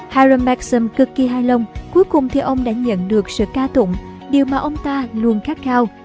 heroon maxim cực kỳ hài lòng cuối cùng thì ông đã nhận được sự ca tụng điều mà ông ta luôn khát khao